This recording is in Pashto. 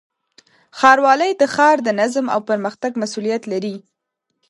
ښاروالۍ د ښار د نظم او پرمختګ مسؤلیت لري.